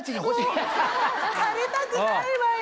枯れたくないわよ。